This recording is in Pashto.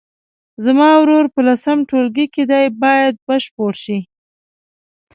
زما ورور په لسم ټولګي کې دی باید بشپړ شي.